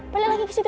balik lagi ke situ